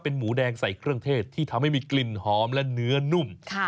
เป็นหมูแดงใส่เครื่องเทศที่ทำให้มีกลิ่นหอมและเนื้อนุ่ม